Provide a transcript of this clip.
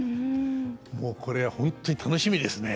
もうこれは本当に楽しみですね。